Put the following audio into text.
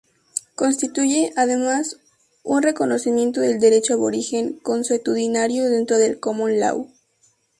Constituye, además, un reconocimiento del derecho aborigen consuetudinario dentro del "common law".